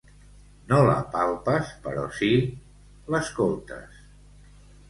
No la palpes, però si l'escoltes.